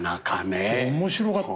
面白かった。